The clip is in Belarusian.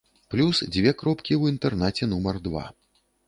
Плюс дзве кропкі ў інтэрнаце нумар два.